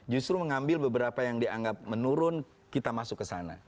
justru mengambil beberapa yang dianggap menurun kita masuk ke sana